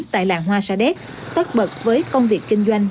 tại làng hoa sà đét tất bật với công việc kinh doanh